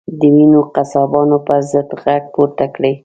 د وینو قصابانو پر ضد غږ پورته کړئ.